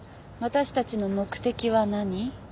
私たちの目的は何？